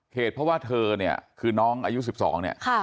เหตุเพราะว่าเธอเนี่ยคือน้องอายุ๑๒เนี่ย